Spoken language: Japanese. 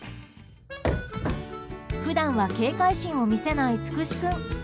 普段は警戒心を見せないつくし君。